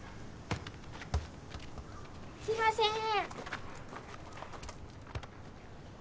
すいません。